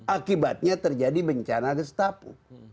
akibatnya terjadi bencana gestapo